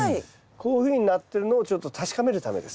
こういうふうになってるのをちょっと確かめるためです。